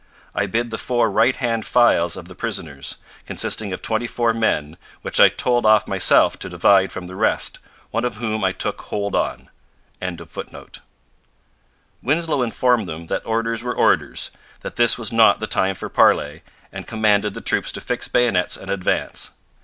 I bid the four right hand files of the prisoners, consisting of twenty four men, which I told off myself to divide from the rest, one of whom I took hold on.'] Winslow informed them that orders were orders, that this was not the time for parley, and commanded the troops to fix bayonets and advance.